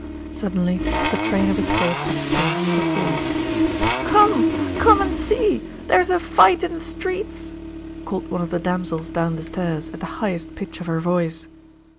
Suddenly the train of his thoughts was changed perforce: 'Come! come and see! There's a fight in the streets,' called one of the damsels down the stairs, at the highest pitch of her voice.